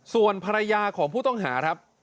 ส่วนภรรยาของผู้ต้องหาครับ